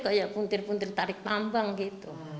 kayak puntir puntir tarik tambang gitu